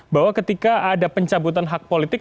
bahwa ketika ada pencabutan hak politik